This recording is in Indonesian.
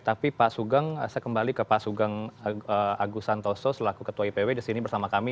tapi pak sugeng saya kembali ke pak sugeng agus santoso selaku ketua ipw disini bersama kami